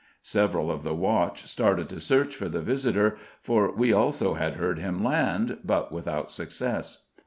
Several of the watch started to search for the visitor, for we also had heard him land, but without success.